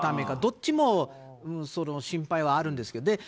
どっちも心配はあるんですけど。